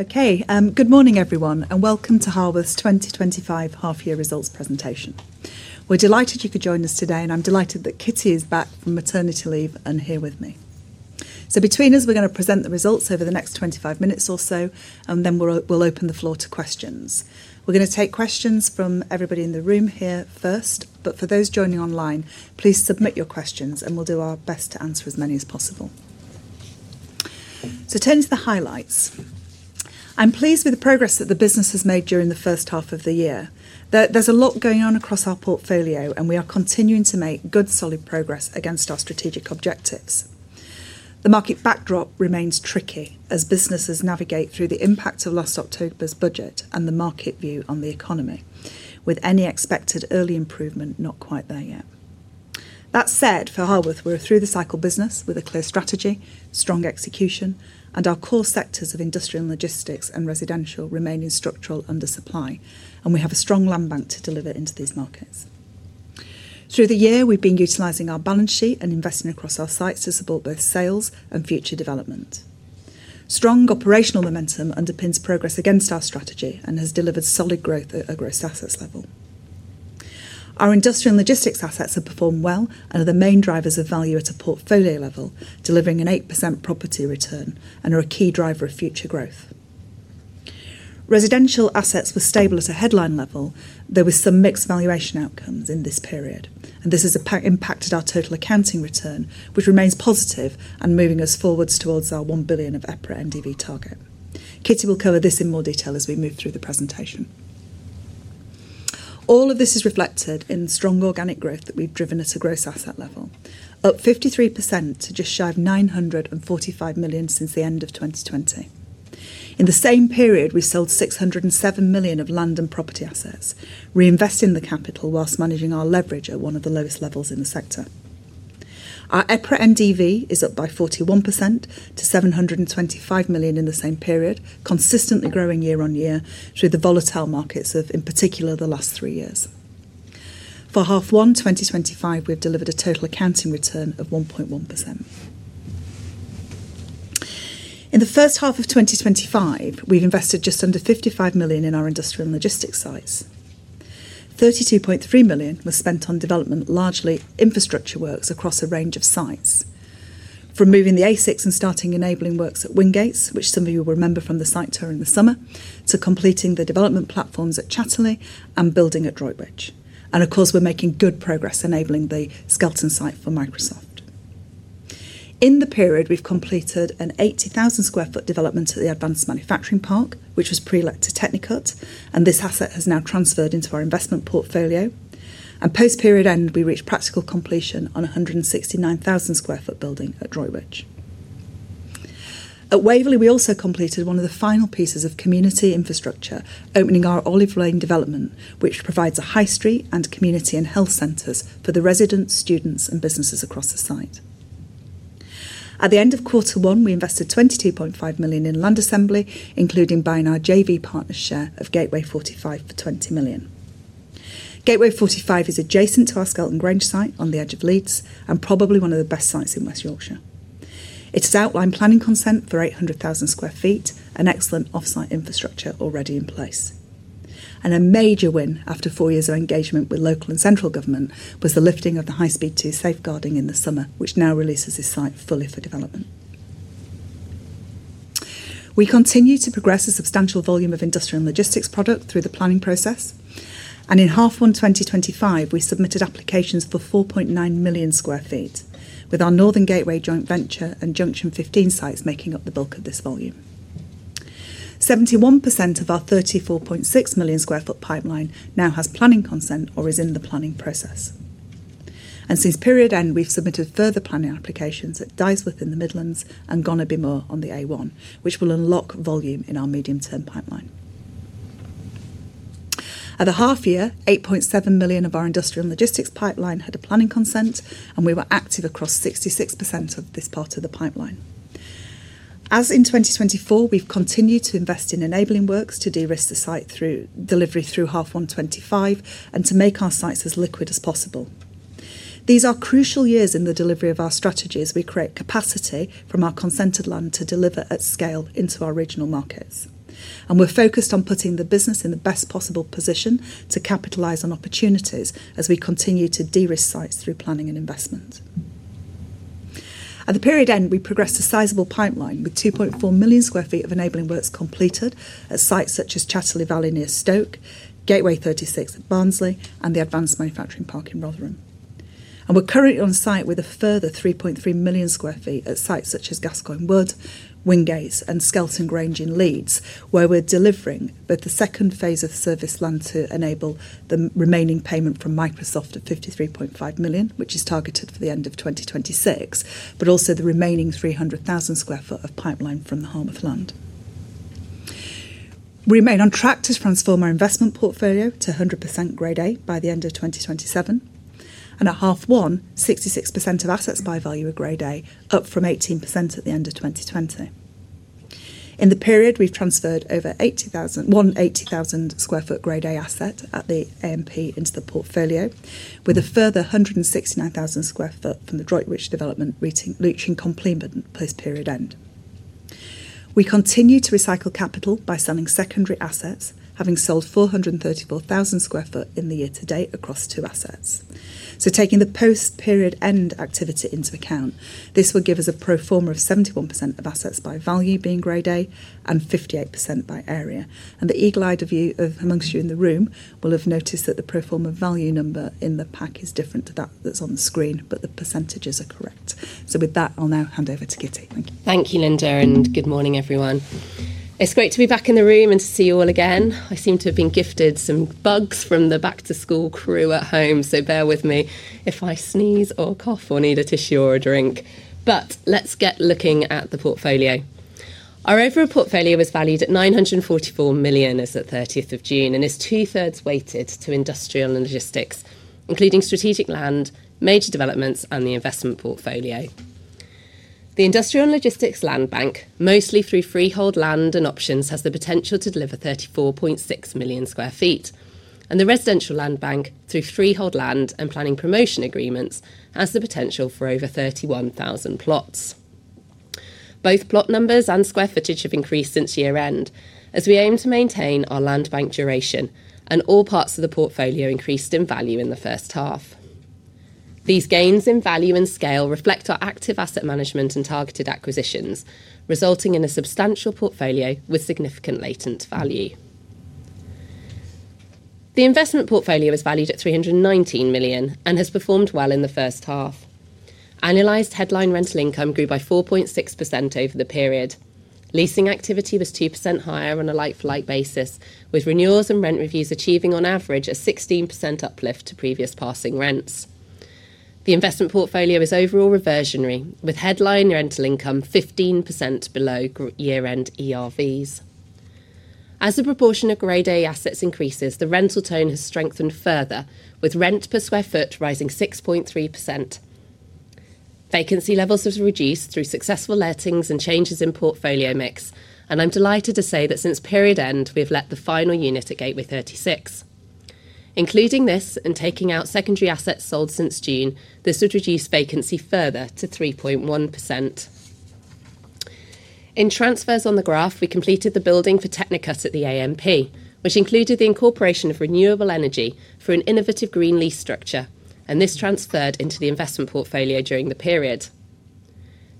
Okay, good morning everyone, and welcome to Harworth Group's 2025 half-year results presentation. We're delighted you could join us today, and I'm delighted that Kitty is back from maternity leave and here with me. Between us, we're going to present the results over the next 25 minutes or so, and then we'll open the floor to questions. We're going to take questions from everybody in the room here first, but for those joining online, please submit your questions, and we'll do our best to answer as many as possible. Turning to the highlights, I'm pleased with the progress that the business has made during the first half of the year. There's a lot going on across our portfolio, and we are continuing to make good, solid progress against our strategic objectives. The market backdrop remains tricky as businesses navigate through the impact of last October's budget and the market view on the economy, with any expected early improvement not quite there yet. That said, for Harworth Group, we're a through-the-cycle business with a clear strategy, strong execution, and our core sectors of industrial and logistics and residential remain in structural undersupply, and we have a strong land bank to deliver into these markets. Through the year, we've been utilizing our balance sheet and investing across our sites to support both sales and future development. Strong operational momentum underpins progress against our strategy and has delivered solid growth at a gross assets level. Our industrial and logistics assets have performed well and are the main drivers of value at a portfolio level, delivering an 8% property return and are a key driver of future growth. Residential assets were stable at a headline level, though with some mixed valuation outcomes in this period, and this has impacted our total accounting return, which remains positive and moving us forwards towards our £1 billion of EPRA NDV target. Kitty will cover this in more detail as we move through the presentation. All of this is reflected in the strong organic growth that we've driven at a gross asset level, up 53% to just shy of £945 million since the end of 2020. In the same period, we sold £607 million of land and property assets, reinvesting the capital whilst managing our leverage at one of the lowest levels in the sector. Our EPRA NDV is up by 41% to £725 million in the same period, consistently growing year on year through the volatile markets of, in particular, the last three years. For half one 2025, we've delivered a total accounting return of 1.1%. In the first half of 2025, we've invested just under £55 million in our industrial and logistics sites. £32.3 million was spent on development, largely infrastructure works across a range of sites, from moving the ASICs and starting enabling works at Wingates, which some of you will remember from the site tour in the summer, to completing the development platforms at Chatterley and building at Droitbridge. Of course, we're making good progress enabling the Skelton Grange site for Microsoft. In the period, we've completed an 80,000 square foot development at the Advanced Manufacturing Park, which was pre-let technical, and this asset has now transferred into our investment portfolio. Post-period end, we reached practical completion on a 169,000 square foot building at Droitbridge. At Waverley, we also completed one of the final pieces of community infrastructure, opening our Olive Lane development, which provides a high street and community and health centers for the residents, students, and businesses across the site. At the end of quarter one, we invested £22.5 million in land assembly, including buying our JV partner's share of Gateway 45 for £20 million. Gateway 45 is adjacent to our Skelton Grange site on the edge of Leeds, and probably one of the best sites in West Yorkshire. It has outline planning consent for 800,000 square feet and excellent offsite infrastructure already in place. A major win after four years of engagement with local and central government was the lifting of the high-speed T safeguarding in the summer, which now releases this site fully for development. We continue to progress a substantial volume of industrial and logistics product through the planning process. In half one 2025, we submitted applications for 4.9 million square feet, with our Northern Gateway joint venture and Junction 15 sites making up the bulk of this volume. 71% of our 34.6 million square foot pipeline now has planning consent or is in the planning process. Since period end, we've submitted further planning applications at Dysworth in the Midlands and Gonnerby Moor on the A1, which will unlock volume in our medium-term pipeline. At the half year, 8.7 million of our industrial and logistics pipeline had a planning consent, and we were active across 66% of this part of the pipeline. As in 2024, we've continued to invest in enabling works to de-risk the site through delivery through half one 2025 and to make our sites as liquid as possible. These are crucial years in the delivery of our strategy as we create capacity from our consented land to deliver at scale into our regional markets. We're focused on putting the business in the best possible position to capitalize on opportunities as we continue to de-risk sites through planning and investment. At the period end, we progressed a sizable pipeline with 2.4 million square feet of enabling works completed at sites such as Chatterley Valley near Stoke, Gateway 36 at Barnsley, and the Advanced Manufacturing Park in Rotherham. We're currently on site with a further 3.3 million square feet at sites such as Gascoyne Wood, Wingates, and Skelton Grange in Leeds, where we're delivering both the second phase of serviced land to enable the remaining payment from Microsoft at £53.5 million, which is targeted for the end of 2026, but also the remaining 300,000 square feet of pipeline from the Harworth land. We remain on track to transform our investment portfolio to 100% Grade A by the end of 2027. At half one, 66% of assets by value are Grade A, up from 18% at the end of 2020. In the period, we've transferred over 80,000 square feet Grade A asset at the Advanced Manufacturing Park into the portfolio, with a further 169,000 square feet from the Droitbridge development reaching completion post-period end. We continue to recycle capital by selling secondary assets, having sold 434,000 square feet in the year to date across two assets. Taking the post-period end activity into account, this will give us a pro forma of 71% of assets by value being Grade A and 58% by area. The eagle-eyed of you amongst you in the room will have noticed that the pro forma value number in the pack is different to that that's on the screen, but the percentages are correct. With that, I'll now hand over to Kitty. Thank you, Lynda, and good morning everyone. It's great to be back in the room and to see you all again. I seem to have been gifted some bugs from the back-to-school crew at home, so bear with me if I sneeze or cough or need a tissue or a drink. Let's get looking at the portfolio. Our overall portfolio was valued at £944 million as of 30th of June and is two-thirds weighted to industrial and logistics, including strategic land, major developments, and the investment portfolio. The industrial and logistics land bank, mostly through freehold land and options, has the potential to deliver 34.6 million square feet, and the residential land bank through freehold land and planning promotion agreements has the potential for over 31,000 plots. Both plot numbers and square footage have increased since year-end, as we aim to maintain our land bank duration, and all parts of the portfolio increased in value in the first half. These gains in value and scale reflect our active asset management and targeted acquisitions, resulting in a substantial portfolio with significant latent value. The investment portfolio is valued at £319 million and has performed well in the first half. Annualized headline rental income grew by 4.6% over the period. Leasing activity was 2% higher on a like-for-like basis, with renewals and rent reviews achieving on average a 16% uplift to previous passing rents. The investment portfolio is overall reversionary, with headline rental income 15% below year-end ERVs. As the proportion of Grade A assets increases, the rental tone has strengthened further, with rent per square foot rising 6.3%. Vacancy levels have reduced through successful lettings and changes in portfolio mix, and I'm delighted to say that since period end, we have let the final unit at Gateway 36. Including this and taking out secondary assets sold since June, this would reduce vacancy further to 3.1%. In transfers on the graph, we completed the building for Technicut at the Advanced Manufacturing Park, which included the incorporation of renewable energy for an innovative green lease structure, and this transferred into the investment portfolio during the period.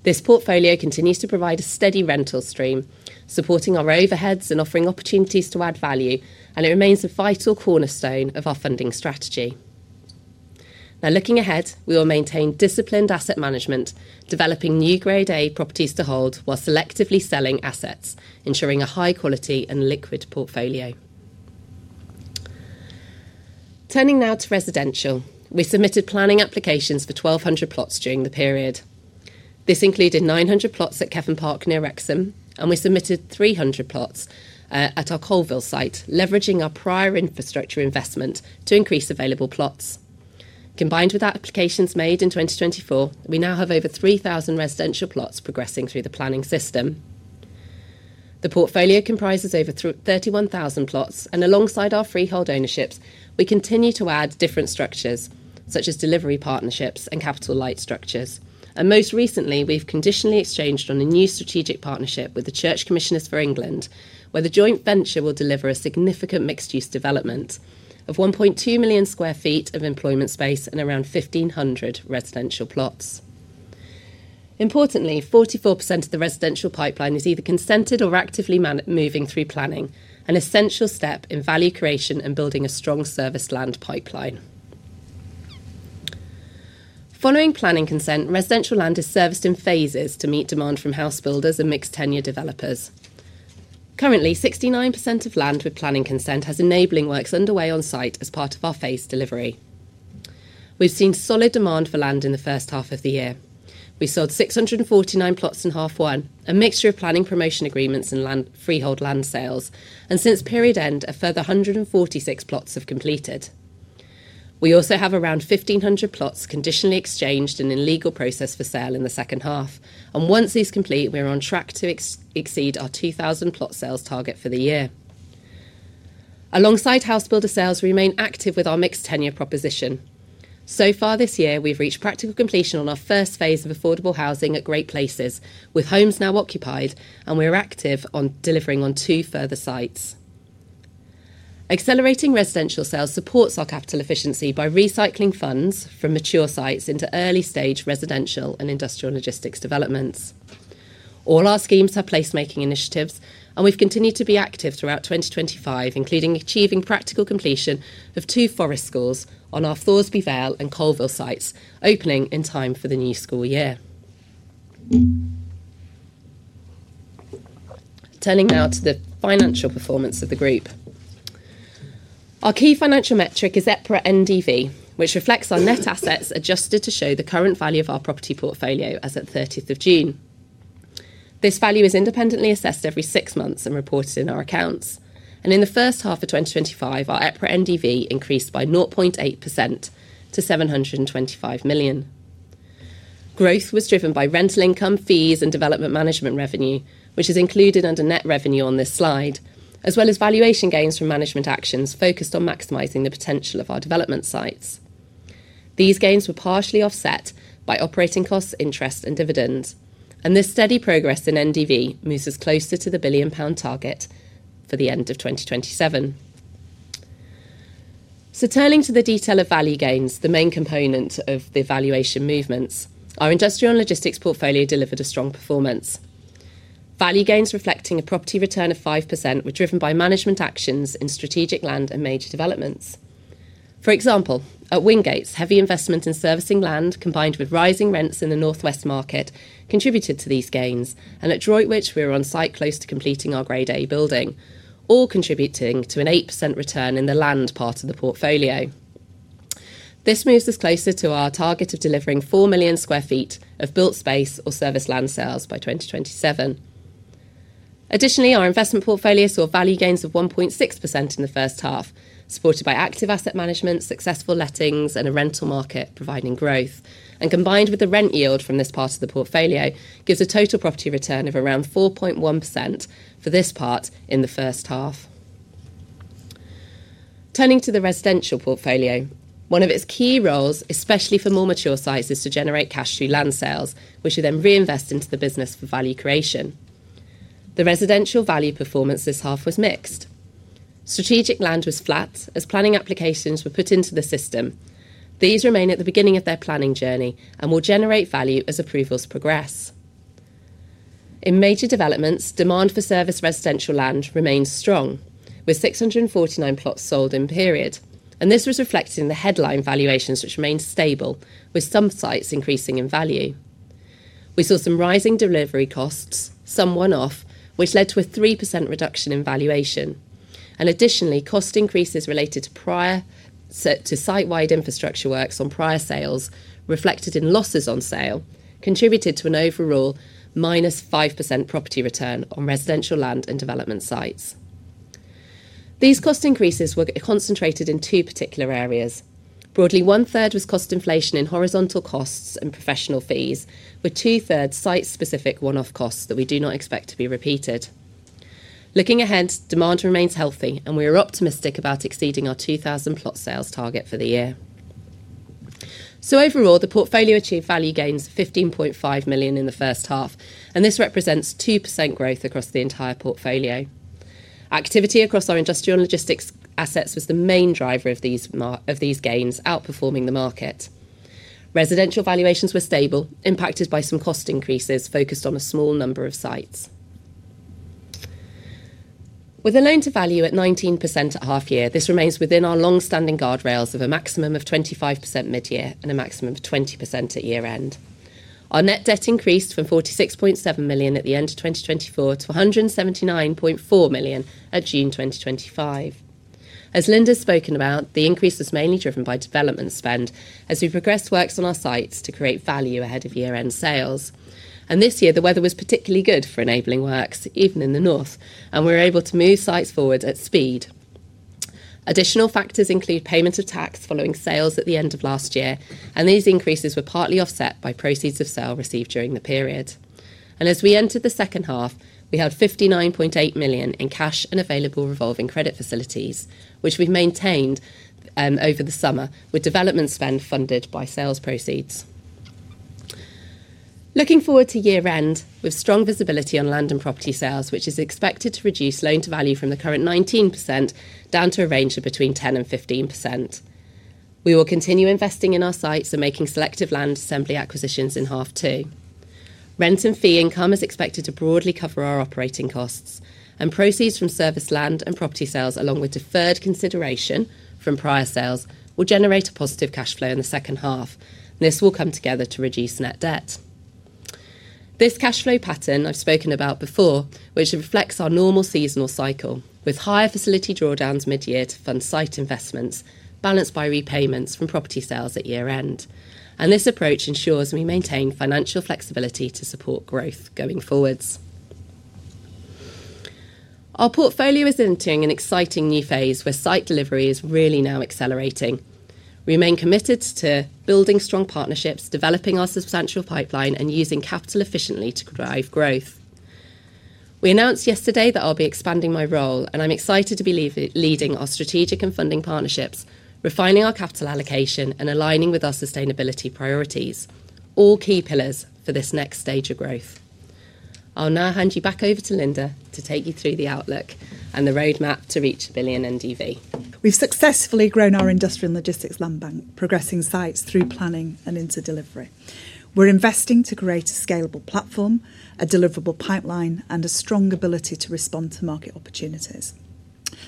This portfolio continues to provide a steady rental stream, supporting our overheads and offering opportunities to add value, and it remains a vital cornerstone of our funding strategy. Now, looking ahead, we will maintain disciplined asset management, developing new Grade A properties to hold while selectively selling assets, ensuring a high-quality and liquid portfolio. Turning now to residential, we submitted planning applications for 1,200 plots during the period. This included 900 plots at Kevin Park near Wrexham, and we submitted 300 plots at our Colville site, leveraging our prior infrastructure investment to increase available plots. Combined with our applications made in 2024, we now have over 3,000 residential plots progressing through the planning system. The portfolio comprises over 31,000 plots, and alongside our freehold ownerships, we continue to add different structures, such as delivery partnerships and capital light structures. Most recently, we've conditionally exchanged on a new strategic partnership with the Church Commissioners for England, where the joint venture will deliver a significant mixed-use development of 1.2 million square feet of employment space and around 1,500 residential plots. Importantly, 44% of the residential pipeline is either consented or actively moving through planning, an essential step in value creation and building a strong service land pipeline. Following planning consent, residential land is serviced in phases to meet demand from house builders and mixed-tenure developers. Currently, 69% of land with planning consent has enabling works underway on site as part of our phase delivery. We've seen solid demand for land in the first half of the year. We sold 649 plots in half one, a mixture of planning promotion agreements and freehold land sales, and since period end, a further 146 plots have completed. We also have around 1,500 plots conditionally exchanged and in legal process for sale in the second half, and once these complete, we're on track to exceed our 2,000 plot sales target for the year. Alongside house builder sales, we remain active with our mixed-tenure proposition. So far this year, we've reached practical completion on our first phase of affordable housing at Great Places, with homes now occupied, and we're active on delivering on two further sites. Accelerating residential sales supports our capital efficiency by recycling funds from mature sites into early-stage residential and industrial and logistics developments. All our schemes have placemaking initiatives, and we've continued to be active throughout 2025, including achieving practical completion of two forest schools on our Thoresby Vale and Colville sites, opening in time for the new school year. Turning now to the financial performance of the group. Our key financial metric is EPRA NDV, which reflects our net assets adjusted to show the current value of our property portfolio as at 30th of June. This value is independently assessed every six months and reported in our accounts. In the first half of 2025, our EPRA NDV increased by 0.8% to £725 million. Growth was driven by rental income, fees, and development management revenue, which is included under net revenue on this slide, as well as valuation gains from management actions focused on maximizing the potential of our development sites. These gains were partially offset by operating costs, interest, and dividends. This steady progress in NDV moves us closer to the billion-pound target for the end of 2027. Turning to the detail of value gains, the main component of the valuation movements, our industrial and logistics portfolio delivered a strong performance. Value gains reflecting a property return of 5% were driven by management actions in strategic land and major developments. For example, at Wingates, heavy investment in servicing land combined with rising rents in the northwest market contributed to these gains, and at Drivbridge, we were on site close to completing our Grade A building, all contributing to an 8% return in the land part of the portfolio. This moves us closer to our target of delivering 4 million square feet of built space or serviced land sales by 2027. Additionally, our investment portfolio saw value gains of 1.6% in the first half, supported by active asset management, successful lettings, and a rental market providing growth. Combined with the rent yield from this part of the portfolio, it gives a total property return of around 4.1% for this part in the first half. Turning to the residential portfolio, one of its key roles, especially for more mature sites, is to generate cash through land sales, which we then reinvest into the business for value creation. The residential value performance this half was mixed. Strategic land was flat as planning applications were put into the system. These remain at the beginning of their planning journey and will generate value as approvals progress. In major developments, demand for serviced residential land remains strong, with 649 plots sold in period, and this was reflected in the headline valuations, which remained stable, with some sites increasing in value. We saw some rising delivery costs, some one-off, which led to a 3% reduction in valuation. Additionally, cost increases related to site-wide infrastructure works on prior sales, reflected in losses on sale, contributed to an overall -5% property return on residential land and development sites. These cost increases were concentrated in two particular areas. Broadly, one-third was cost inflation in horizontal costs and professional fees, with two-thirds site-specific one-off costs that we do not expect to be repeated. Looking ahead, demand remains healthy, and we are optimistic about exceeding our 2,000 plot sales target for the year. Overall, the portfolio achieved value gains of £15.5 million in the first half, and this represents 2% growth across the entire portfolio. Activity across our industrial and logistics assets was the main driver of these gains, outperforming the market. Residential valuations were stable, impacted by some cost increases focused on a small number of sites. With a loan-to-value at 19% at half year, this remains within our long-standing guardrails of a maximum of 25% mid-year and a maximum of 20% at year-end. Our net debt increased from £46.7 million at the end of 2024 to £179.4 million at June 2025. As Lynda's spoken about, the increase was mainly driven by development spend, as we've progressed works on our sites to create value ahead of year-end sales. This year, the weather was particularly good for enabling works, even in the north, and we were able to move sites forward at speed. Additional factors include payment of tax following sales at the end of last year, and these increases were partly offset by proceeds of sale received during the period. As we entered the second half, we had £59.8 million in cash and available revolving credit facilities, which we've maintained over the summer, with development spend funded by sales proceeds. Looking forward to year-end, with strong visibility on land and property sales, which is expected to reduce loan-to-value from the current 19% down to a range of between 10% and 15%. We will continue investing in our sites and making selective land assembly acquisitions in half two. Rent and fee income is expected to broadly cover our operating costs, and proceeds from serviced land and property sales, along with deferred consideration from prior sales, will generate a positive cash flow in the second half. This will come together to reduce net debt. This cash flow pattern I've spoken about before, which reflects our normal seasonal cycle, with higher facility drawdowns mid-year to fund site investments, balanced by repayments from property sales at year-end. This approach ensures we maintain financial flexibility to support growth going forwards. Our portfolio is entering an exciting new phase where site delivery is really now accelerating. We remain committed to building strong partnerships, developing our substantial pipeline, and using capital efficiently to drive growth. We announced yesterday that I'll be expanding my role, and I'm excited to be leading our strategic and funding partnerships, refining our capital allocation, and aligning with our sustainability priorities, all key pillars for this next stage of growth. I'll now hand you back over to Lynda to take you through the outlook and the roadmap to reach £1 billion EPRA NDV. We've successfully grown our industrial and logistics land bank, progressing sites through planning and into delivery. We're investing to create a scalable platform, a deliverable pipeline, and a strong ability to respond to market opportunities.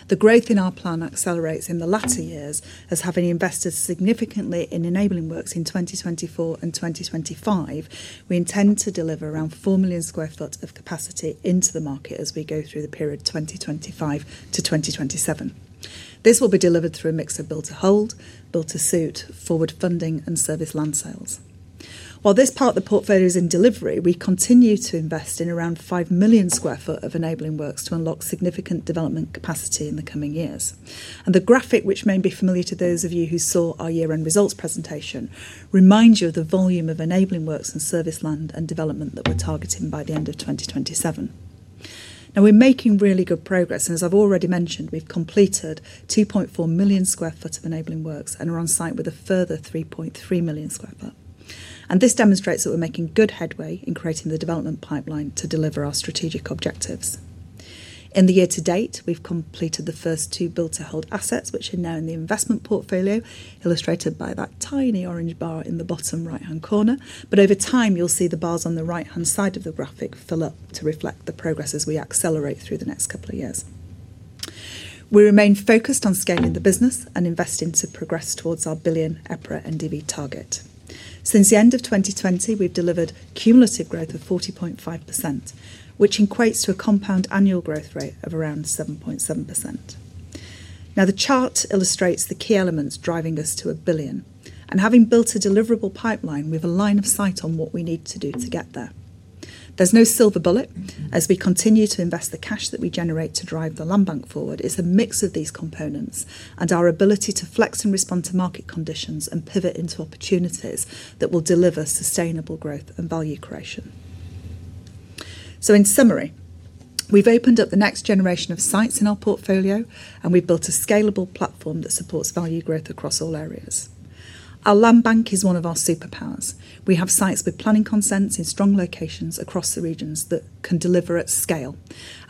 The growth in our plan accelerates in the latter years, as having invested significantly in enabling works in 2024 and 2025, we intend to deliver around 4 million square foot of capacity into the market as we go through the period 2025 to 2027. This will be delivered through a mix of built to hold, built to suit, forward funding, and serviced land sales. While this part of the portfolio is in delivery, we continue to invest in around 5 million square foot of enabling works to unlock significant development capacity in the coming years. The graphic, which may be familiar to those of you who saw our year-end results presentation, reminds you of the volume of enabling works and serviced land and development that we're targeting by the end of 2027. We're making really good progress, and as I've already mentioned, we've completed 2.4 million square foot of enabling works and are on site with a further 3.3 million square foot. This demonstrates that we're making good headway in creating the development pipeline to deliver our strategic objectives. In the year to date, we've completed the first two built to hold assets, which are now in the investment portfolio, illustrated by that tiny orange bar in the bottom right-hand corner. Over time, you'll see the bars on the right-hand side of the graphic fill up to reflect the progress as we accelerate through the next couple of years. We remain focused on scaling the business and investing to progress towards our billion EPRA NDV target. Since the end of 2020, we've delivered cumulative growth of 40.5%, which equates to a compound annual growth rate of around 7.7%. The chart illustrates the key elements driving us to a billion. Having built a deliverable pipeline, we have a line of sight on what we need to do to get there. There's no silver bullet. As we continue to invest the cash that we generate to drive the land bank forward, it's a mix of these components and our ability to flex and respond to market conditions and pivot into opportunities that will deliver sustainable growth and value creation. In summary, we've opened up the next generation of sites in our portfolio, and we've built a scalable platform that supports value growth across all areas. Our land bank is one of our superpowers. We have sites with planning consents in strong locations across the regions that can deliver at scale.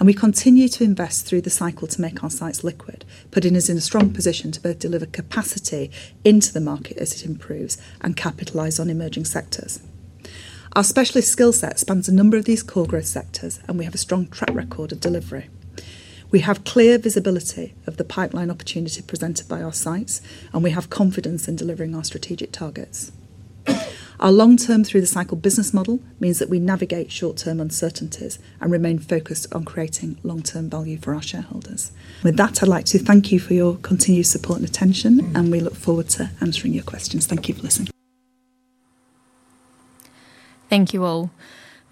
We continue to invest through the cycle to make our sites liquid, putting us in a strong position to both deliver capacity into the market as it improves and capitalize on emerging sectors. Our specialist skill set spans a number of these core growth sectors, and we have a strong track record of delivery. We have clear visibility of the pipeline opportunity presented by our sites, and we have confidence in delivering our strategic targets. Our long-term through-the-cycle business model means that we navigate short-term uncertainties and remain focused on creating long-term value for our shareholders. With that, I'd like to thank you for your continued support and attention, and we look forward to answering your questions. Thank you for listening. Thank you all.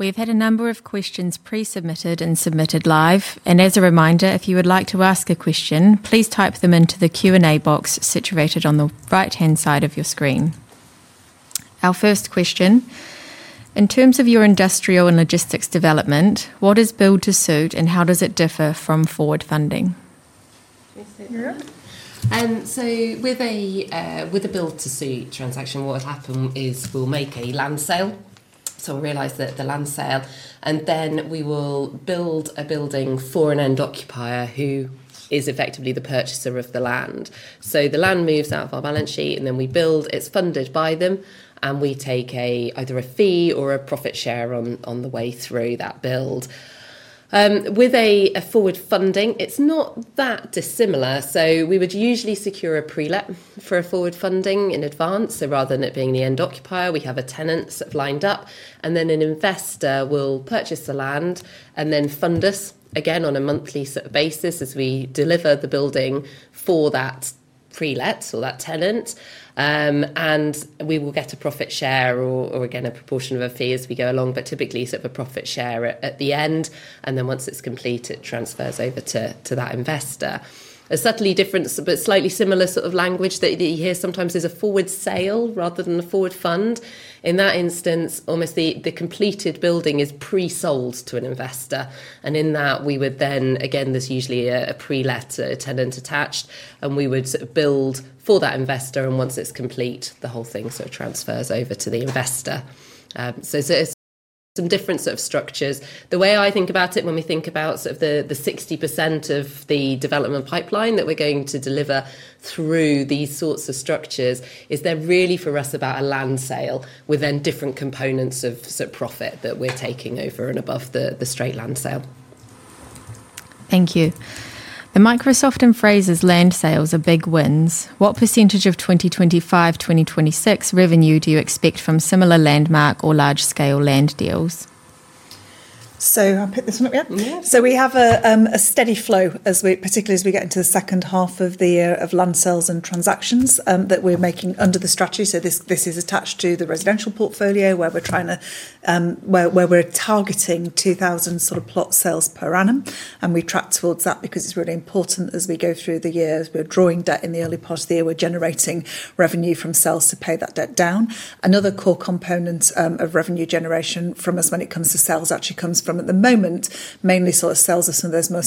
We've had a number of questions pre-submitted and submitted live. As a reminder, if you would like to ask a question, please type them into the Q&A box situated on the right-hand side of your screen. Our first question, in terms of your industrial and logistics development, what is build to suit and how does it differ from forward funding? With a build to suit transaction, what will happen is we'll make a land sale. We'll realize that land sale, and then we will build a building for an end occupier who is effectively the purchaser of the land. The land moves out of our balance sheet, and then we build. It's funded by them, and we take either a fee or a profit share on the way through that build. With a forward funding, it's not that dissimilar. We would usually secure a pre-let for a forward funding in advance. Rather than it being the end occupier, we have a tenant that's lined up, and then an investor will purchase the land and then fund us again on a monthly sort of basis as we deliver the building for that pre-let or that tenant. We will get a profit share or, again, a proportion of a fee as we go along, but typically sort of a profit share at the end. Once it's complete, it transfers over to that investor. A subtly different, but slightly similar sort of language that you hear sometimes is a forward sale rather than a forward fund. In that instance, almost the completed building is pre-sold to an investor. In that, we would then, again, there's usually a pre-let tenant attached, and we would sort of build for that investor. Once it's complete, the whole thing sort of transfers over to the investor. It's some different sort of structures. The way I think about it when we think about the 60% of the development pipeline that we're going to deliver through these sorts of structures is they're really for us about a land sale within different components of profit that we're taking over and above the straight land sale. Thank you. The Microsoft and Frasers land sales are big wins. What % of 2025-2026 revenue do you expect from similar landmark or large-scale land deals? I'll pick this one up. We have a steady flow, particularly as we get into the second half of the year, of land sales and transactions that we're making under the strategy. This is attached to the residential portfolio where we're targeting 2,000 sort of plot sales per annum. We track towards that because it's really important as we go through the years. We're drawing debt in the early part of the year, and we're generating revenue from sales to pay that debt down. Another core component of revenue generation from us when it comes to sales actually comes from, at the moment, mainly sales of some of those more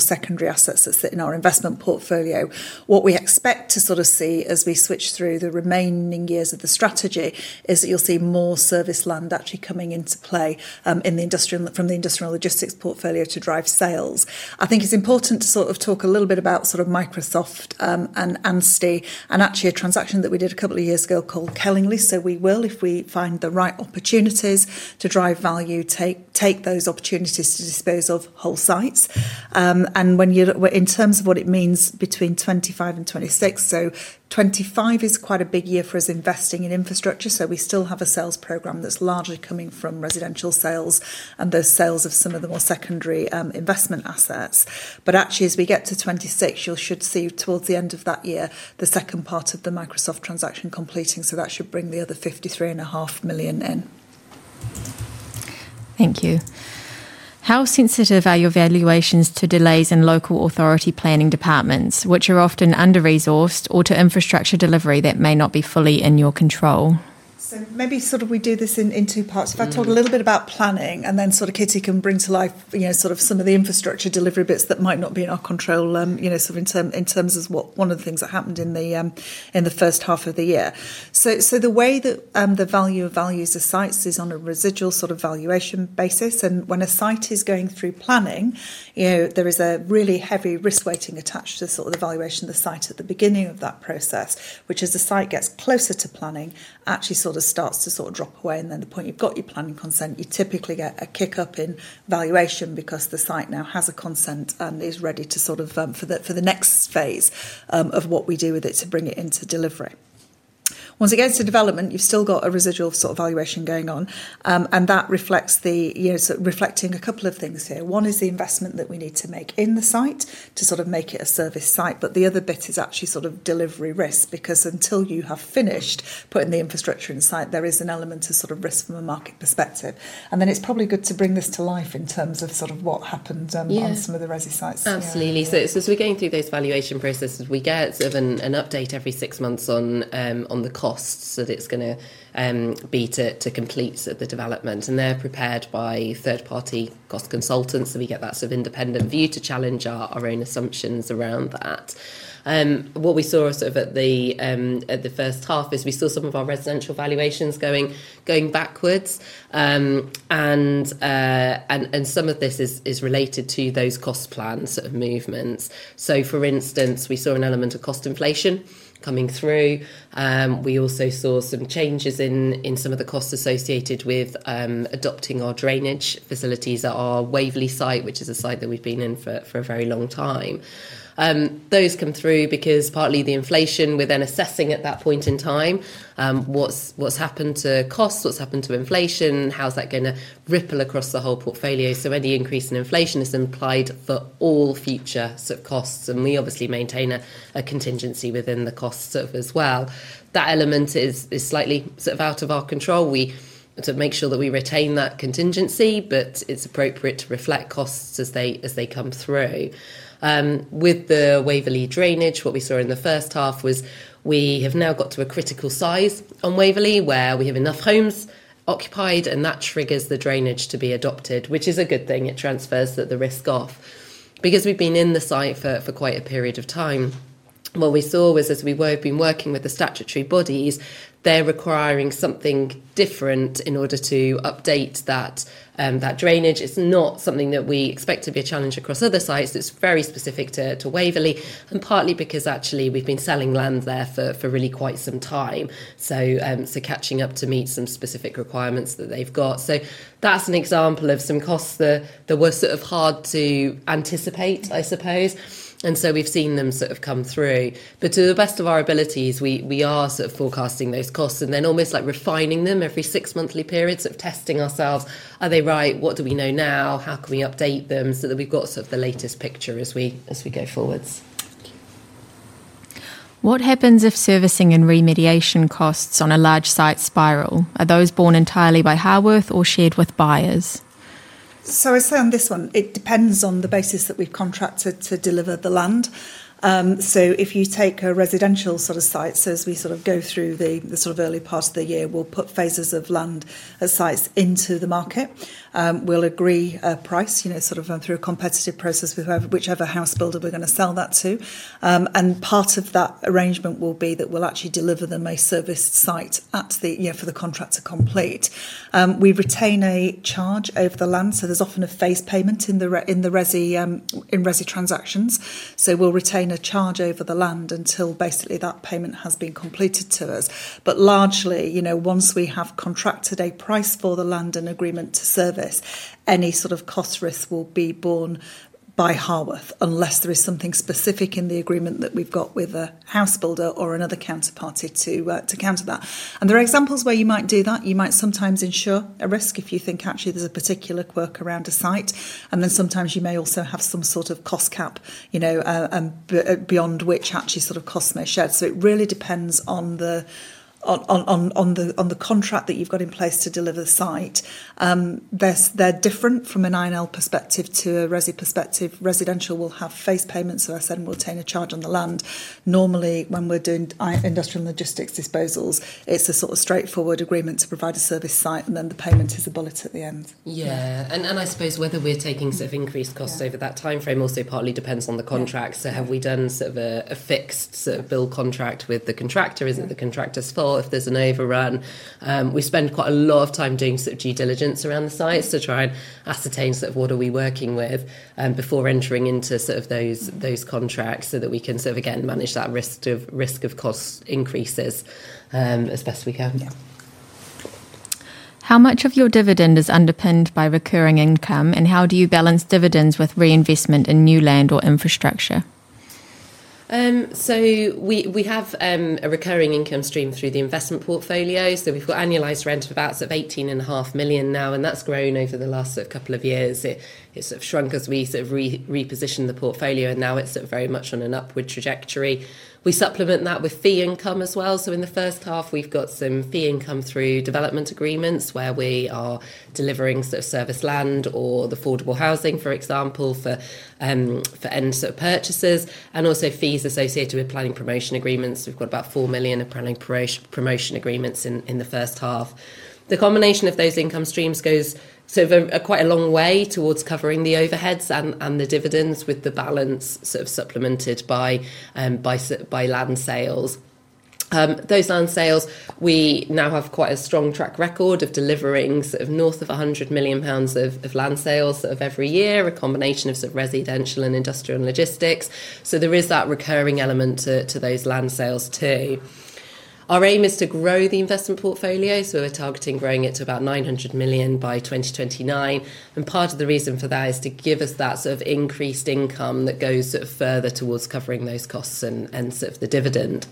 secondary assets that sit in our investment portfolio. What we expect to see as we switch through the remaining years of the strategy is that you'll see more serviced land actually coming into play from the industrial and logistics portfolio to drive sales. I think it's important to talk a little bit about Microsoft and actually a transaction that we did a couple of years ago called Kellingley. We will, if we find the right opportunities to drive value, take those opportunities to dispose of whole sites. When you look at what it means between 2025 and 2026, 2025 is quite a big year for us investing in infrastructure. We still have a sales program that's largely coming from residential sales and those sales of some of the more secondary investment assets. As we get to 2026, you should see towards the end of that year the second part of the Microsoft transaction completing. That should bring the other £53.5 million in. Thank you. How sensitive are your valuations to delays in local authority planning departments, which are often under-resourced, or to infrastructure delivery that may not be fully in your control? Maybe we do this in two parts. If I talk a little bit about planning and then Kitty can bring to life some of the infrastructure delivery bits that might not be in our control in terms of what happened in the first half of the year. The way that the values of sites is on a residual valuation basis. When a site is going through planning, there is a really heavy risk weighting attached to the valuation of the site at the beginning of that process, which as the site gets closer to planning, actually starts to drop away. At the point you've got your planning consent, you typically get a kick up in valuation because the site now has a consent and is ready for the next phase of what we do with it to bring it into delivery. Once it gets to development, you've still got a residual valuation going on. That reflects a couple of things here. One is the investment that we need to make in the site to make it a service site. The other bit is actually delivery risk because until you have finished putting the infrastructure in the site, there is an element of risk from a market perspective. It's probably good to bring this to life in terms of what happened on some of the resi sites. Absolutely. As we go through those valuation processes, we get an update every six months on the costs that it's going to be to complete the development. They're prepared by third-party cost consultants, so we get that independent view to challenge our own assumptions around that. What we saw at the first half is we saw some of our residential valuations going backwards, and some of this is related to those cost plans of movements. For instance, we saw an element of cost inflation coming through. We also saw some changes in some of the costs associated with adopting our drainage facilities at our Waverley site, which is a site that we've been in for a very long time. Those come through because partly the inflation we're then assessing at that point in time. What's happened to costs? What's happened to inflation? How's that going to ripple across the whole portfolio? Any increase in inflation is implied for all future costs. We obviously maintain a contingency within the costs as well. That element is slightly out of our control. We have to make sure that we retain that contingency, but it's appropriate to reflect costs as they come through. With the Waverley drainage, what we saw in the first half was we have now got to a critical size on Waverley where we have enough homes occupied, and that triggers the drainage to be adopted, which is a good thing. It transfers the risk off. Because we've been in the site for quite a period of time, what we saw was as we have been working with the statutory bodies, they're requiring something different in order to update that drainage. It's not something that we expect to be a challenge across other sites. It's very specific to Waverley, and partly because actually we've been selling land there for really quite some time. Catching up to meet some specific requirements that they've got, that's an example of some costs that were hard to anticipate, I suppose. We've seen them come through. To the best of our abilities, we are forecasting those costs and then almost like refining them every six monthly periods of testing ourselves. Are they right? What do we know now? How can we update them so that we've got the latest picture as we go forwards? What happens if servicing and remediation costs on a large site spiral? Are those borne entirely by Harworth or shared with buyers? It depends on the basis that we've contracted to deliver the land. If you take a residential sort of site, as we go through the early part of the year, we'll put phases of land at sites into the market. We'll agree a price through a competitive process with whichever house builder we're going to sell that to. Part of that arrangement will be that we'll actually deliver the most serviced site for the contract to complete. We retain a charge over the land. There's often a phased payment in the residential transactions. We'll retain a charge over the land until that payment has been completed to us. Largely, once we have contracted a price for the land and agreement to service, any cost risk will be borne by Harworth unless there is something specific in the agreement that we've got with a house builder or another counterparty to counter that. There are examples where you might do that. You might sometimes insure a risk if you think there's a particular quirk around a site. Sometimes you may also have some sort of cost cap, beyond which cost may shed. It really depends on the contract that you've got in place to deliver the site. They're different from an industrial and logistics perspective to a residential perspective. Residential will have phased payments. As I said, we'll obtain a charge on the land. Normally, when we're doing industrial and logistics disposals, it's a straightforward agreement to provide a serviced site, and then the payment is a bullet at the end. Yeah, I suppose whether we're taking sort of increased costs over that timeframe also partly depends on the contract. Have we done sort of a fixed sort of build contract with the contractor? Is it the contractor's fault if there's an overrun? We spend quite a lot of time doing due diligence around the sites to try and ascertain what are we working with before entering into those contracts so that we can again manage that risk of cost increases as best we can. How much of your dividend is underpinned by recurring income, and how do you balance dividends with reinvestment in new land or infrastructure? We have a recurring income stream through the investment portfolio. We've got annualized rent of about £18.5 million now, and that's grown over the last couple of years. It's shrunk as we reposition the portfolio, and now it's very much on an upward trajectory. We supplement that with fee income as well. In the first half, we've got some fee income through development agreements where we are delivering service land or the affordable housing, for example, for end purchases and also fees associated with planning promotion agreements. We've got about £4 million of planning promotion agreements in the first half. The combination of those income streams goes quite a long way towards covering the overheads and the dividends, with the balance supplemented by land sales. Those land sales, we now have quite a strong track record of delivering north of £100 million of land sales every year, a combination of residential and industrial and logistics. There is that recurring element to those land sales too. Our aim is to grow the investment portfolio, so we're targeting growing it to about £900 million by 2029. Part of the reason for that is to give us that increased income that goes further towards covering those costs and the dividend.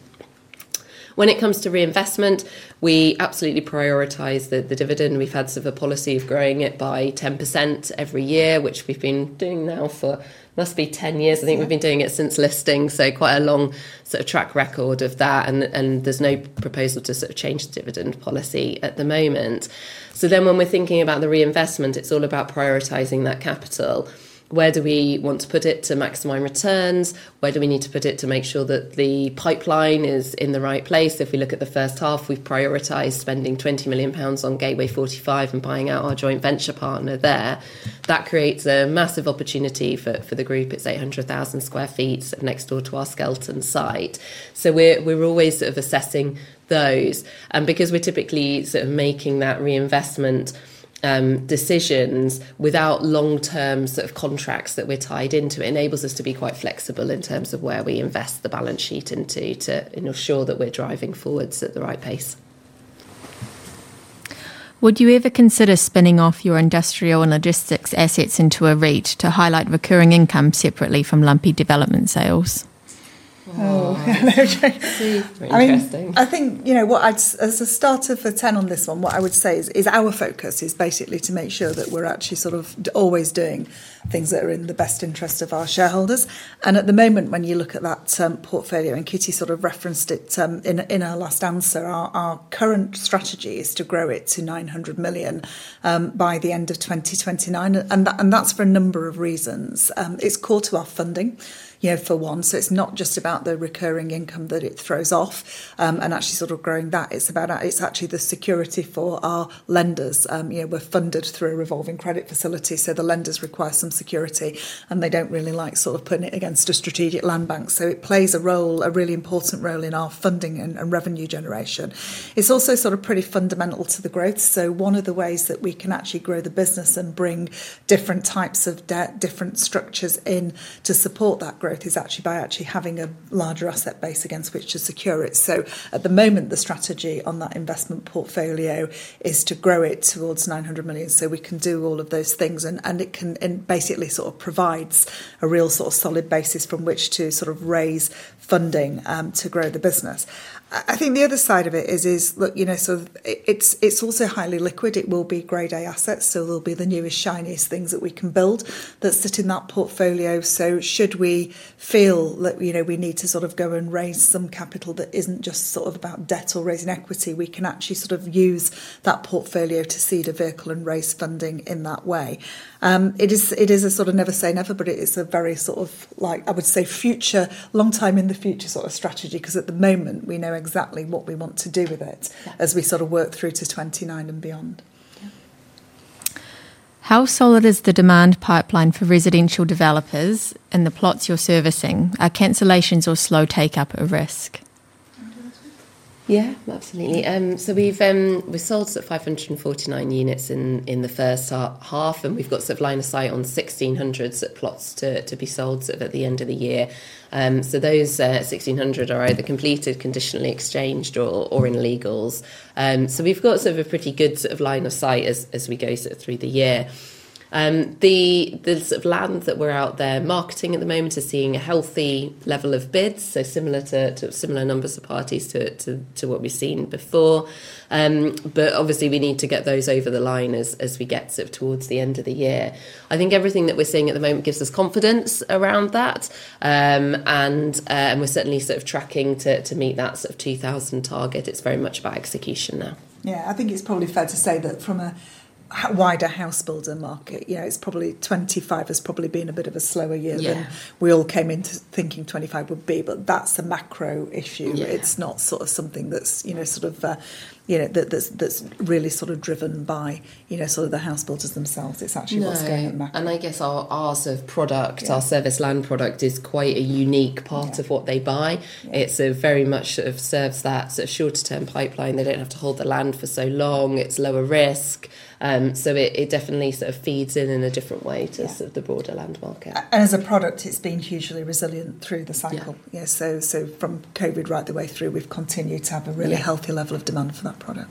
When it comes to reinvestment, we absolutely prioritize the dividend. We've had a policy of growing it by 10% every year, which we've been doing now for must be 10 years. I think we've been doing it since listing, so quite a long track record of that. There's no proposal to change the dividend policy at the moment. When we're thinking about the reinvestment, it's all about prioritizing that capital. Where do we want to put it to maximize returns? Where do we need to put it to make sure that the pipeline is in the right place? If we look at the first half, we've prioritized spending £20 million on Gateway 45 and buying out our joint venture partner there. That creates a massive opportunity for the group. It's 800,000 square feet next door to our Skelton Grange site. We're always assessing those. Because we're typically making that reinvestment decisions without long-term contracts that we're tied into, it enables us to be quite flexible in terms of where we invest the balance sheet to ensure that we're driving forwards at the right pace. Would you ever consider spinning off your industrial and logistics assets into a REIT to highlight recurring income separately from lumpy development sales? I think, as a starter for 10 on this one, what I would say is our focus is basically to make sure that we're actually always doing things that are in the best interest of our shareholders. At the moment, when you look at that portfolio, and Kitty sort of referenced it in our last answer, our current strategy is to grow it to £900 million by the end of 2029. That's for a number of reasons. It's core to our funding, for one. It's not just about the recurring income that it throws off and actually growing that. It's actually the security for our lenders. We're funded through a revolving credit facility. The lenders require some security, and they don't really like putting it against a strategic land bank. It plays a really important role in our funding and revenue generation. It's also pretty fundamental to the growth. One of the ways that we can actually grow the business and bring different types of debt, different structures in to support that growth is by actually having a larger asset base against which to secure it. At the moment, the strategy on that investment portfolio is to grow it towards £900 million so we can do all of those things. It can basically provide a real solid basis from which to raise funding to grow the business. The other side of it is, it's also highly liquid. It will be Grade A assets. It will be the newest, shiniest things that we can build that sit in that portfolio. Should we feel that we need to go and raise some capital that isn't just about debt or raising equity, we can actually use that portfolio to seed a vehicle and raise funding in that way. It is a never say never, but it's a very, I would say, future, long time in the future sort of strategy because at the moment we know exactly what we want to do with it as we work through to 2029 and beyond. How solid is the demand pipeline for residential developers and the plots you're servicing? Are cancellations or slow take-up a risk? Yeah, that's neat. We've sold 549 units in the first half, and we've got line of sight on 1,600 plots to be sold at the end of the year. Those 1,600 are either completed, conditionally exchanged, or in legals. We've got a pretty good line of sight as we go through the year. The land that we're out there marketing at the moment is seeing a healthy level of bids, similar numbers of parties to what we've seen before. Obviously, we need to get those over the line as we get towards the end of the year. I think everything that we're seeing at the moment gives us confidence around that. We're certainly tracking to meet that 2,000 target. It's very much about execution now. Yeah, I think it's probably fair to say that from a wider house builder market, it's probably 2025 has probably been a bit of a slower year than we all came into thinking 2025 would be, but that's a macro issue. It's not something that's really driven by the house builders themselves. It's actually more scale. Our service land product is quite a unique part of what they buy. It very much serves that shorter-term pipeline. They don't have to hold the land for so long. It's lower risk. It definitely feeds in in a different way to the broader land market. As a product, it's been hugely resilient through the cycle. From COVID right the way through, we've continued to have a really healthy level of demand for that product.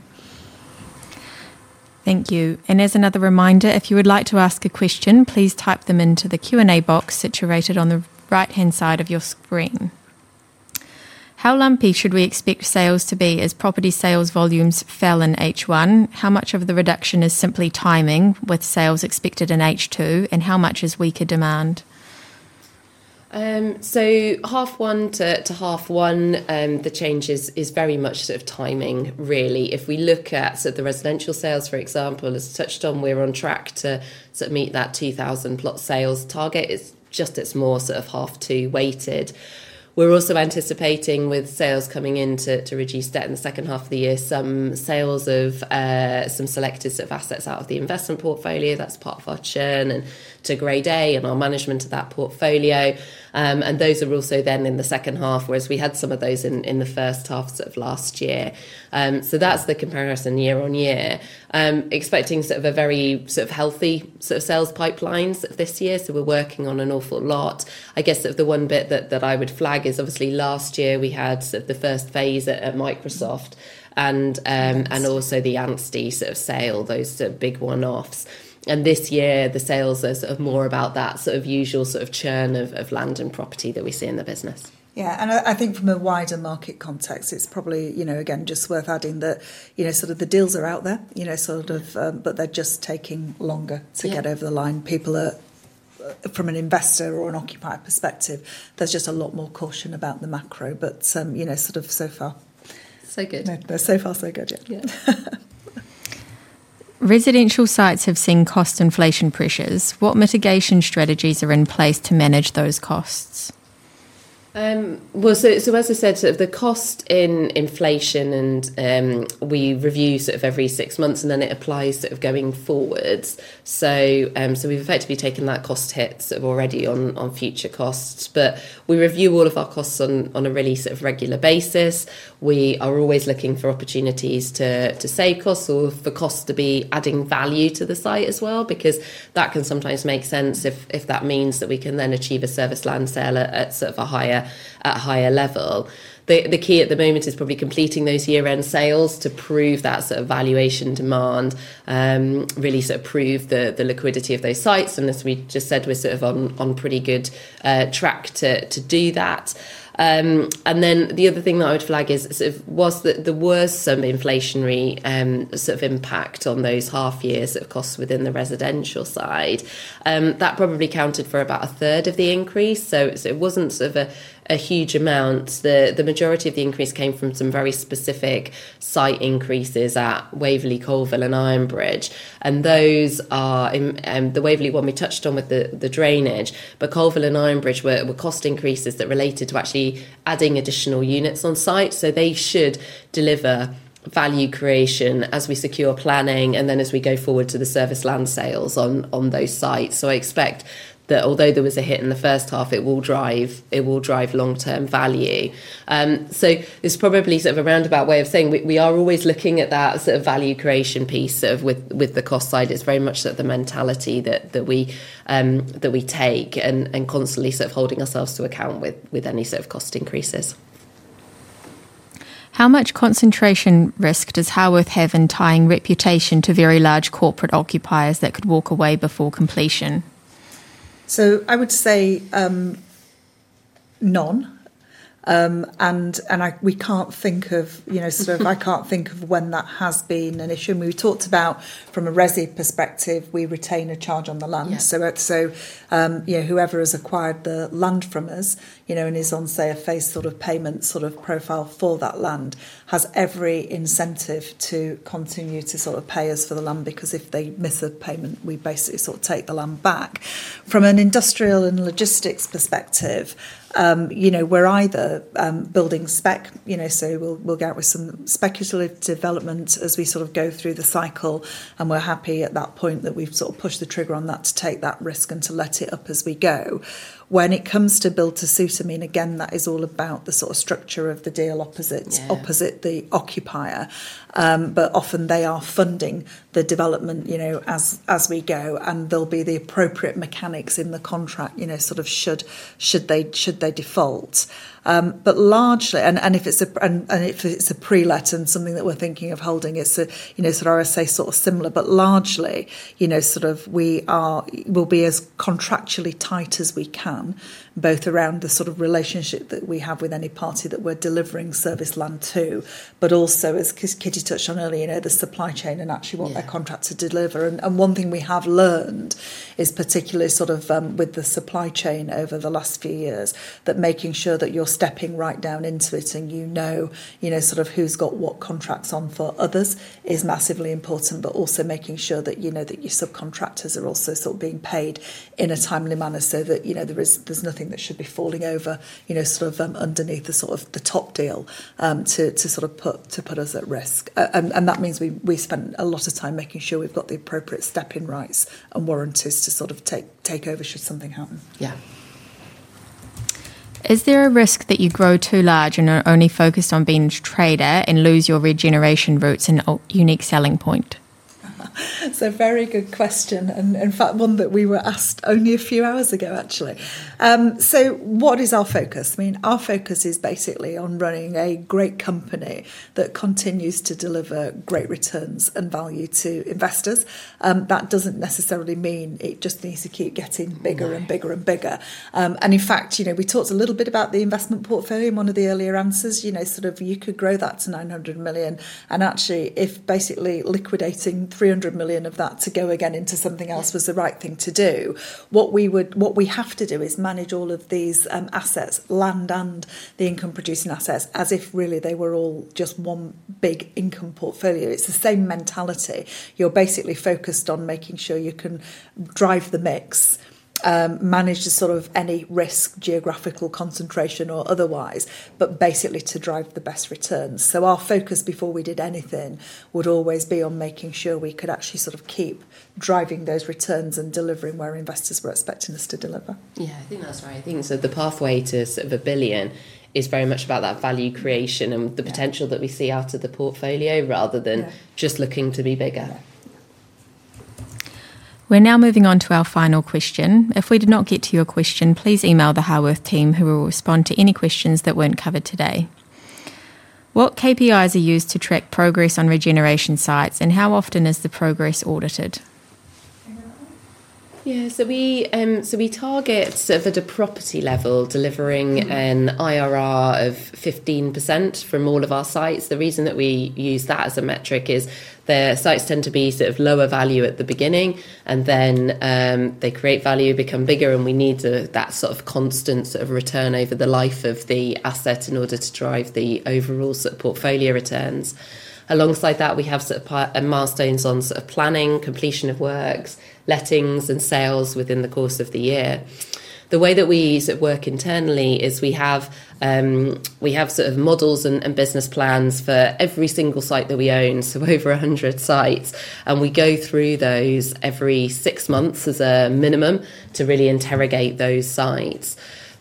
Thank you. As another reminder, if you would like to ask a question, please type them into the Q&A box situated on the right-hand side of your screen. How lumpy should we expect sales to be as property sales volumes fell in H1? How much of the reduction is simply timing with sales expected in H2, and how much is weaker demand? Half one to half one, the change is very much sort of timing, really. If we look at the residential sales, for example, as touched on, we're on track to meet that 2,000 plot sales target. It's just, it's more sort of half two weighted. We're also anticipating with sales coming in to reduce debt in the second half of the year, some sales of some selected sort of assets out of the investment portfolio. That's part of our churn and to Grade A and our management of that portfolio. Those are also then in the second half, whereas we had some of those in the first half of last year. That's the comparison year on year. Expecting sort of a very sort of healthy sort of sales pipelines this year. We're working on an awful lot. I guess the one bit that I would flag is obviously last year we had the first phase at Microsoft and also the Amnesty sale, those big one-offs. This year, the sales are more about that usual sort of churn of land and property that we see in the business. I think from a wider market context, it's probably just worth adding that the deals are out there, but they're just taking longer to get over the line. People are, from an investor or an occupier perspective, there's just a lot more caution about the macro, but so far. So good. So far, so good. Residential sites have seen cost inflation pressures. What mitigation strategies are in place to manage those costs? As I said, the cost inflation, and we review every six months and then it applies going forwards. We've effectively taken that cost hit already on future costs. We review all of our costs on a really regular basis. We are always looking for opportunities to save costs or for costs to be adding value to the site as well because that can sometimes make sense if that means that we can then achieve a service land sale at a higher level. The key at the moment is probably completing those year-end sales to prove that valuation demand, really prove the liquidity of those sites. We're on pretty good track to do that. The other thing that I would flag is that the worst inflationary impact on those half-year costs within the residential side probably accounted for about a third of the increase. It wasn't a huge amount. The majority of the increase came from some very specific site increases at Waverley, Colville, and Ironbridge. The Waverley one we touched on with the drainage. Colville and Ironbridge were cost increases that related to actually adding additional units on site. They should deliver value creation as we secure planning and then as we go forward to the service land sales on those sites. I expect that although there was a hit in the first half, it will drive long-term value. It's probably a roundabout way of saying we are always looking at that value creation piece with the cost side. It's very much the mentality that we take and constantly holding ourselves to account with any cost increases. How much concentration risk does Harworth have in tying reputation to very large corporate occupiers that could walk away before completion? I would say none. I can't think of when that has been an issue. We talked about from a resi perspective, we retain a charge on the land. Whoever has acquired the land from us and is on, say, a phased payment profile for that land has every incentive to continue to pay us for the land because if they miss a payment, we basically take the land back. From an industrial and logistics perspective, we're either building spec, so we'll go out with some speculative development as we go through the cycle. We're happy at that point that we've pushed the trigger on that to take that risk and to let it up as we go. When it comes to build to suit, that is all about the structure of the deal opposite the occupier. Often they are funding the development as we go, and there'll be the appropriate mechanics in the contract should they default. If it's a pre-let and something that we're thinking of holding, it's a RSA similar, but largely we will be as contractually tight as we can, both around the relationship that we have with any party that we're delivering service land to, but also, as Kitty Patmore touched on earlier, the supply chain and actually what their contracts are delivering. One thing we have learned is particularly with the supply chain over the last few years that making sure that you're stepping right down into it and you know who's got what contracts on for others is massively important, but also making sure that you know that your subcontractors are also being paid in a timely manner so that there is nothing that should be falling over underneath the top deal to put us at risk. That means we spend a lot of time making sure we've got the appropriate step-in rights and warranties to take over should something happen. Yeah. Is there a risk that you grow too large and are only focused on being a trader and lose your regeneration roots and unique selling point? Very good question. In fact, one that we were asked only a few hours ago, actually. What is our focus? Our focus is basically on running a great company that continues to deliver great returns and value to investors. That doesn't necessarily mean it just needs to keep getting bigger and bigger and bigger. In fact, we talked a little bit about the investment portfolio in one of the earlier answers, you could grow that to £900 million. Actually, if liquidating £300 million of that to go again into something else was the right thing to do, what we would, what we have to do is manage all of these assets, land and the income-producing assets, as if really they were all just one big income portfolio. It's the same mentality. You're basically focused on making sure you can drive the mix, manage any risk, geographical concentration or otherwise, but basically to drive the best returns. Our focus before we did anything would always be on making sure we could actually keep driving those returns and delivering where investors were expecting us to deliver. Yeah, I think that's right. I think the pathway to sort of a billion is very much about that value creation and the potential that we see after the portfolio rather than just looking to be bigger. We're now moving on to our final question. If we did not get to your question, please email the Harworth team who will respond to any questions that weren't covered today. What KPIs are used to track progress on regeneration sites, and how often is the progress audited? Yeah, so we target sort of at a property level delivering an IRR of 15% from all of our sites. The reason that we use that as a metric is that sites tend to be sort of lower value at the beginning and then they create value, become bigger, and we need that sort of constant sort of return over the life of the asset in order to drive the overall portfolio returns. Alongside that, we have sort of milestones on sort of planning, completion of works, lettings, and sales within the course of the year. The way that we work internally is we have sort of models and business plans for every single site that we own, so over 100 sites, and we go through those every six months as a minimum to really interrogate those sites.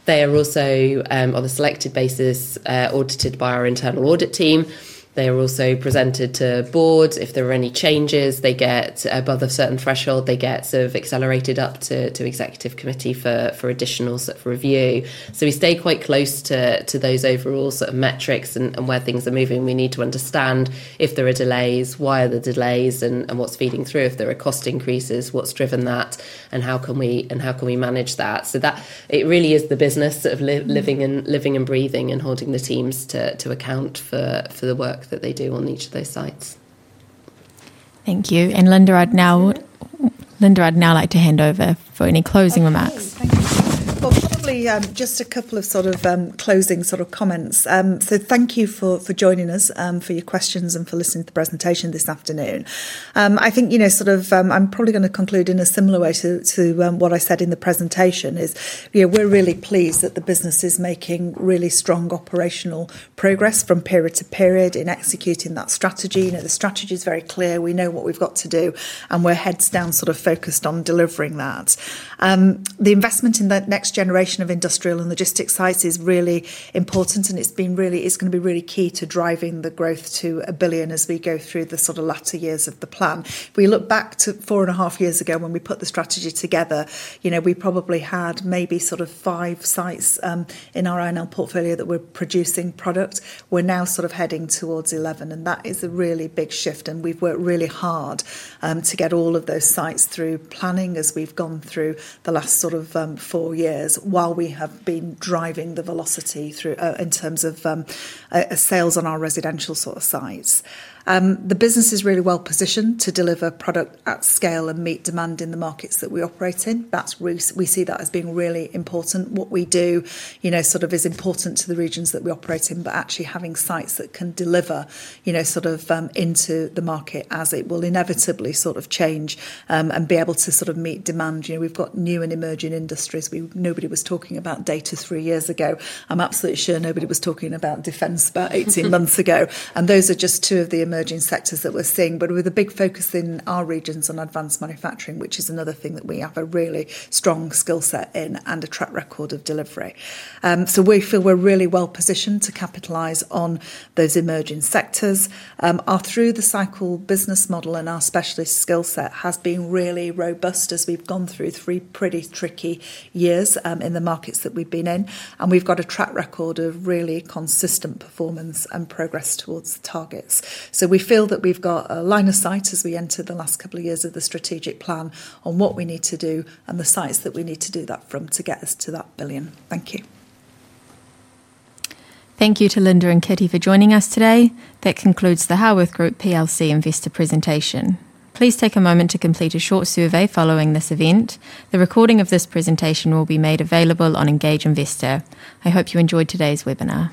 They are also, on a selected basis, audited by our internal audit team. They are also presented to the board. If there are any changes, they get above a certain threshold, they get sort of accelerated up to Executive Committee for additional sort of review. We stay quite close to those overall sort of metrics and where things are moving. We need to understand if there are delays, why are the delays, and what's feeding through. If there are cost increases, what's driven that, and how can we manage that? It really is the business sort of living and breathing and holding the teams to account for the work that they do on each of those sites. Thank you. Linda, I'd now like to hand over for any closing remarks. Probably just a couple of closing comments. Thank you for joining us, for your questions, and for listening to the presentation this afternoon. I think I'm probably going to conclude in a similar way to what I said in the presentation. We're really pleased that the business is making really strong operational progress from period to period in executing that strategy. The strategy is very clear. We know what we've got to do, and we're heads down focused on delivering that. The investment in the next generation of industrial and logistics sites is really important, and it's going to be really key to driving the growth to £1 billion as we go through the latter years of the plan. If we look back to four and a half years ago when we put the strategy together, we probably had maybe five sites in our industrial and logistics portfolio that were producing product. We're now heading towards 11, and that is a really big shift, and we've worked really hard to get all of those sites through planning as we've gone through the last four years while we have been driving the velocity through in terms of sales on our residential sites. The business is really well positioned to deliver product at scale and meet demand in the markets that we operate in. We see that as being really important. What we do is important to the regions that we operate in, but actually having sites that can deliver into the market as it will inevitably change and be able to meet demand. We've got new and emerging industries. Nobody was talking about data three years ago. I'm absolutely sure nobody was talking about defense about 18 months ago. Those are just two of the emerging sectors that we're seeing, with a big focus in our regions on advanced manufacturing, which is another thing that we have a really strong skill set in and a track record of delivery. We feel we're really well positioned to capitalize on those emerging sectors. Our through-the-cycle business model and our specialist skill set has been really robust as we've gone through three pretty tricky years in the markets that we've been in. We've got a track record of really consistent performance and progress towards the targets. We feel that we've got a line of sight as we enter the last couple of years of the strategic plan on what we need to do and the sites that we need to do that from to get us to that £1 billion. Thank you. Thank you to Lynda and Kitty for joining us today. That concludes the Harworth Group PLC Invista presentation. Please take a moment to complete a short survey following this event. The recording of this presentation will be made available on Engage Invista. I hope you enjoyed today's webinar.